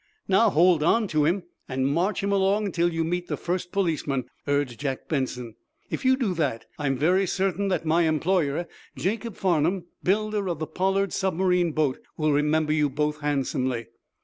"Now, hold on to him, and march him along until you meet the first policeman," urged Jack Benson. "If you do that, I'm very certain that my employer, Jacob Farnum, builder of the 'Pollard' submarine boat, will remember you both handsomely."